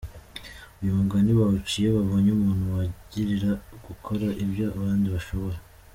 Uyu mugani bawuca iyo babonye umuntu wangirira gukora ibyo abandi bashobora.